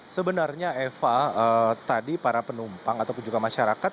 sebenarnya eva tadi para penumpang ataupun juga masyarakat